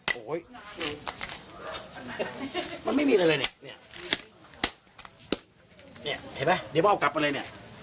โอ้โหมันไม่มีอะไรเลยเนี่ยเนี่ยเห็นไหมเดี๋ยวพ่อเอากลับมาเลยเนี่ย